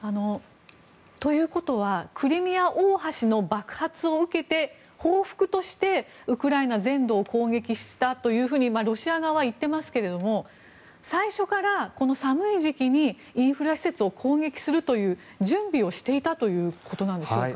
ということはクリミア大橋の爆発を受けて報復としてウクライナ全土を攻撃したというふうにロシア側は言っていますが最初からこの寒い時期にインフラ施設を攻撃するという準備をしていたということなんでしょうか。